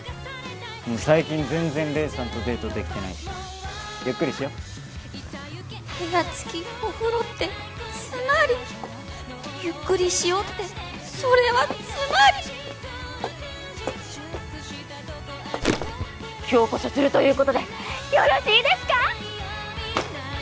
もう最近全然黎さんとデートできてないしゆっくりしよ部屋付きお風呂ってつまり「ゆっくりしよ」ってそれはつまり今日こそスるということでよろしいですか！？